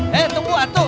hei tunggu atuh